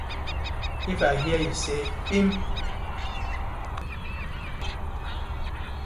If I hear yu say pipp.